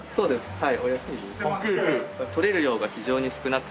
はい。